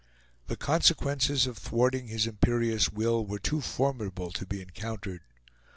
The consequences of thwarting his imperious will were too formidable to be encountered.